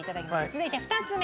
続いて２つ目。